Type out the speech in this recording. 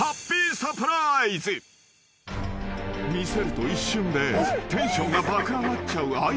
［見せると一瞬でテンションが爆上がっちゃうアイテムを］